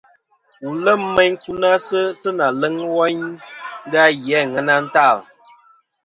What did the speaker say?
Wù lem meyn nkunasɨ sɨ na leŋ woynda ghì a aŋena ntal.